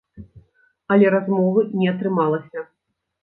Але размовы не атрымалася.